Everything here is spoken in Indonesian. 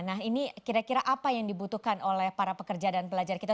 nah ini kira kira apa yang dibutuhkan oleh para pekerja dan pelajar kita